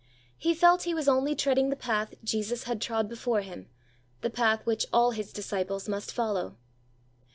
He felt he was only treading the path Jesus had trod before him, the path which all His disciples must follow.